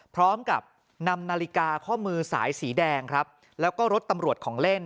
พร้อมกับนำนาฬิกาข้อมือสายสีแดงครับแล้วก็รถตำรวจของเล่น